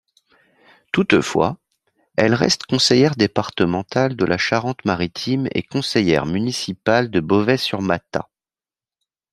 Toutefois, elle reste conseillère départementale de la Charente-Maritime et conseillère municipale de Beauvais-sur-Matha.